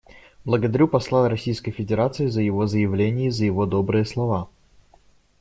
Благодарю посла Российской Федерации за его заявление и за его добрые слова.